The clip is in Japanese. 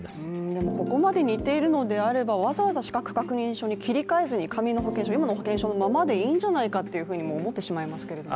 でもここまで似ているのであればわざわざ資格確認書に切り替えずに紙の、今の保険証のままでもいいじゃないかと思ってしまいますけどね。